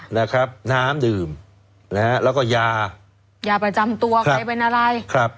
นะครับน้ำดื่มนะฮะแล้วก็ยายาประจำตัวใครเป็นอะไรครับ